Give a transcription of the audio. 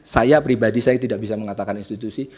saya pribadi saya tidak bisa mengatakan institusi